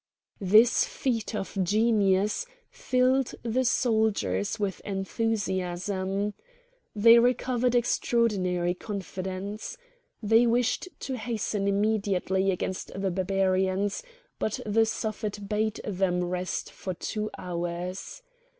This feat of genius filled the soldiers with enthusiasm. They recovered extraordinary confidence. They wished to hasten immediately against the Barbarians; but the Suffet bade them rest for two hours.